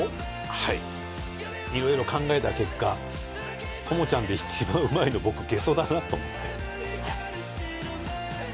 はい色々考えた結果ともちゃんで一番うまいの僕ゲソだなと思ってあっ！